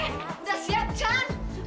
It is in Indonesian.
udah siap chan